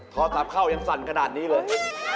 โทรศัพท์เข้ายังสั่นขนาดนี้เลย